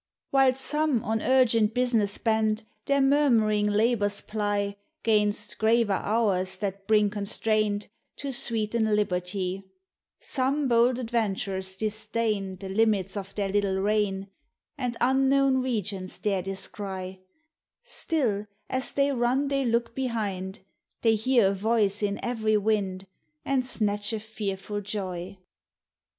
While some, on urgent business bent, Their murmuring labors ply 'Gainst graver hours that bring constraint To sweeten liberty; Some bold adventurers disdain The limits of their little reign, And unknown regions dare descry; Still as they run they look behind, They hear a voice in every wind, And snatch a fearful joy.